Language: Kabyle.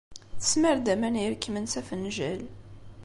Tesmar-d aman irekkmen s afenjal.